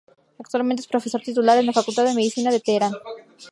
Actualmente es profesor titular en la Facultad de Medicina de Teherán.